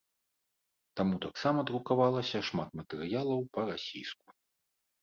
Таму таксама друкавалася шмат матэрыялаў па-расійску.